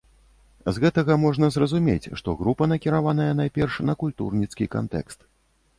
З гэтага можна зразумець, што група накіраваная найперш на культурніцкі кантэкст.